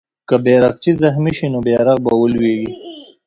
که بیرغچی زخمي سي، نو بیرغ به ولويږي.